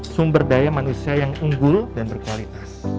sumber daya manusia yang unggul dan berkualitas